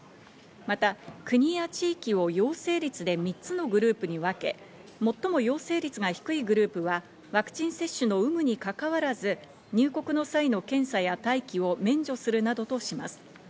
また国や地域を陽性率で３つのグループに分け、最も陽性率が低いグループはワクチン接種の有無にかかわらず入国の際の検査や待機を免除するなどとします。